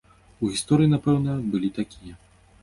У гісторыі, напэўна, былі такія.